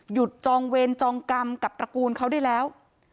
จองเวรจองกรรมกับตระกูลเขาได้แล้ว